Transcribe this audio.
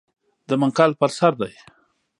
د منقل پر سر دی .